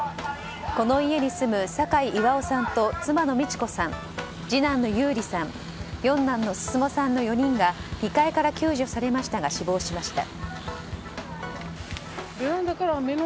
この家に住む酒井巌さんと妻の道子さん次男の優里さん、四男の進さんの４人が２階から救助されましたが死亡しました。